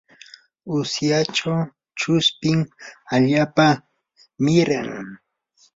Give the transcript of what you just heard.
usyachaw chuspin allaapa miran.